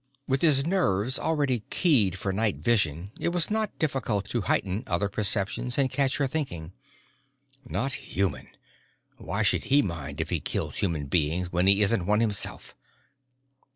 With his nerves already keyed for night vision it was not difficult to heighten other perceptions and catch her thinking ... not human. _Why should he mind if he kills human beings when he isn't one himself?